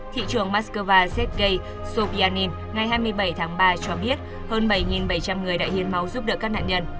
thị trường moskova zk sobyanin ngày hai mươi bảy tháng ba cho biết hơn bảy bảy trăm linh người đã hiên máu giúp đỡ các nạn nhân